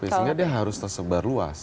sehingga dia harus tersebar luas